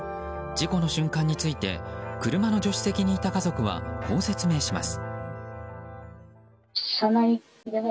事故の瞬間について車の助手席にいた家族はこう説明します。